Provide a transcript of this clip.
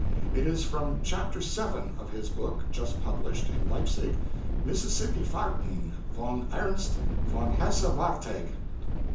It is from Chapter VII, of his book, just published, in Leipzig, 'Mississippi Fahrten, von Ernst von Hesse Wartegg.'